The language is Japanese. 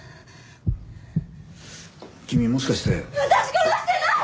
君もしかして。